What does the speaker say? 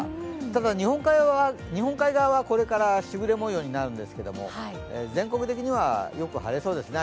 ただ、日本海側はこれから時雨模様になるんですが明日も全国的には良く晴れそうです。